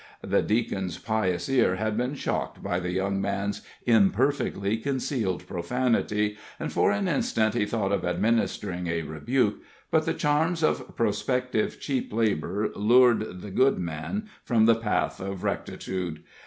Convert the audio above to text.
The Deacon's pious ear had been shocked by the young man's imperfectly concealed profanity, and for an instant he thought of administering a rebuke, but the charms of prospective cheap labor lured the good man from the path of rectitude.